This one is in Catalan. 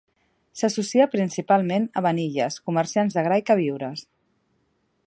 S'associa principalment a Baniyas, comerciants de gra i queviures.